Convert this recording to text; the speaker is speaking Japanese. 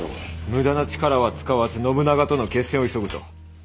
無駄な力は使わず信長との決戦を急ぐと。